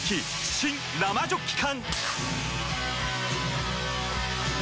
新・生ジョッキ缶！